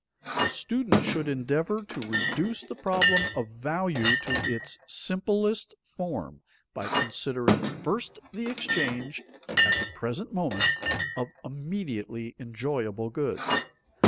The student should endeavor to reduce the problem of value to its simplest form by considering first the exchange, at the present moment, of immediately enjoyable goods.